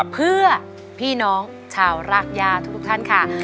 เพื่อพี่น้องชาวรากย่าทุกท่านค่ะ